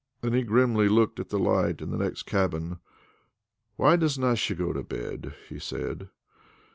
Then he grimly looked at the light in the next cabin. "Why doesna she go to bed?" he said.